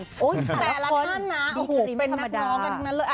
แต่ละท่านนะโอ้โหเป็นนักร้องกันทั้งนั้นเลย